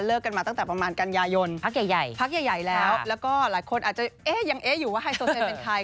กันมาตั้งแต่ประมาณกันยายนพักใหญ่พักใหญ่แล้วแล้วก็หลายคนอาจจะเอ๊ะยังเอ๊ะอยู่ว่าไฮโซเซนเป็นใคร